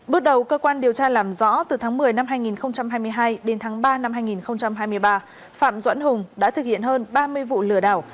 bước đầu cơ quan điều tra làm rõ từ tháng một mươi năm hai nghìn hai mươi hai đến tháng ba năm hai nghìn hai mươi ba phạm doãn hùng đã thực hiện hơn ba mươi vụ lừa đảo